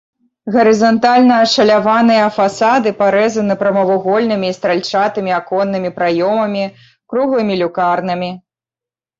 Гарызантальна ашаляваныя фасады парэзаны прамавугольнымі і стральчатымі аконнымі праёмамі, круглымі люкарнамі.